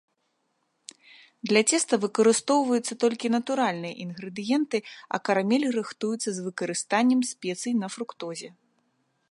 Для цеста выкарыстоўваюцца толькі натуральныя інгрэдыенты, а карамель рыхтуецца з выкарыстаннем спецый на фруктозе.